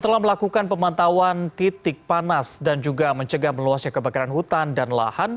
setelah melakukan pemantauan titik panas dan juga mencegah meluasnya kebakaran hutan dan lahan